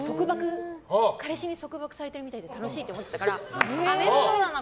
彼氏に束縛されてるみたいで楽しいって思ってたから面倒だな